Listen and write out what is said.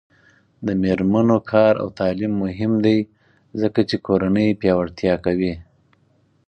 د میرمنو کار او تعلیم مهم دی ځکه چې کورنۍ پیاوړتیا کوي.